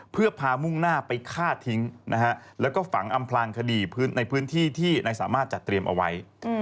เพื่อพามุ่งหน้าไปฆ่าทิ้งนะฮะแล้วก็ฝังอำพลางคดีในพื้นที่ที่นายสามารถจัดเตรียมเอาไว้